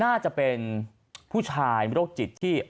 น่าจะเป็นผู้ชายโรคจิตที่